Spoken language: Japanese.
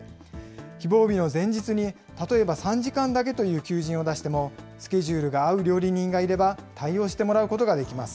希望日の前日に例えば３時間だけという求人を出しても、スケジュールが合う料理人がいれば対応してもらうことができます。